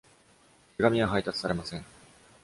手紙は配達されません。